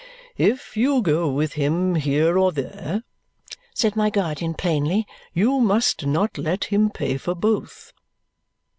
"If you go with him here or there," said my guardian plainly, "you must not let him pay for both."